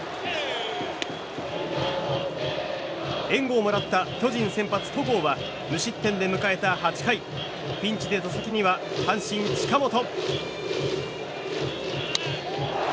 援護をもらった巨人先発、戸郷は無失点で迎えた８回ピンチで打席には阪神、近本。